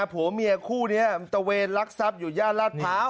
ผัวเมียคู่นี้ตะเวนลักทรัพย์อยู่ย่านลาดพร้าว